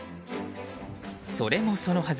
それもそのはず。